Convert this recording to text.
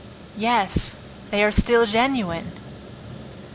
"Yes, they are still genuine!"